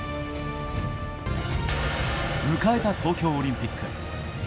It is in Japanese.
迎えた東京オリンピック。